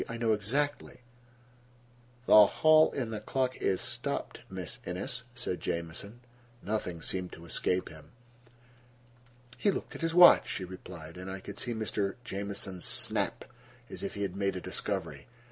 I know exactly." "The clock in the hall is stopped, Miss Innes," said Jamieson. Nothing seemed to escape him. "He looked at his watch," she replied, and I could see Mr. Jamieson's snap, as if he had made a discovery.